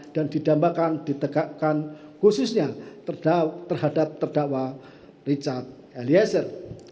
dan didambakan ditegakkan khususnya terhadap terdakwa richard eliezer